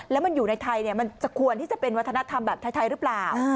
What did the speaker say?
แล้วมันอยู่ในไทยมันจะควรที่จะเป็นวัฒนธรรมแบบไทยหรือเปล่า